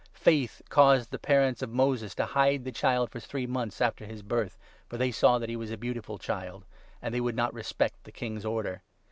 Faith caused the parents of Moses to hide 23 the child for three months after his birth, for they saw that he was a beautiful child ; and they would not respect the King's order.